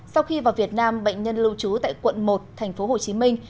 sau khi vào việt nam bệnh nhân lưu trú tại quận một tp hcm